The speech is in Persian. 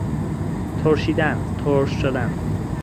ترشیدن، ترش شدن